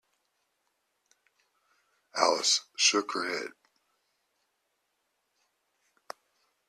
Alice shook her head.